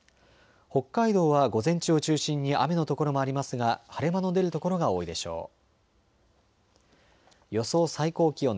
北海道は午前中を中心に雨の所もありますが晴れ間の出る所が多いでしょう。